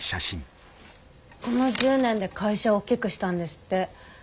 この１０年で会社を大きくしたんですって。